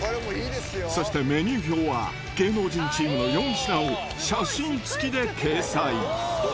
そして、メニュー表は、芸能人チームの４品を写真付きで掲載。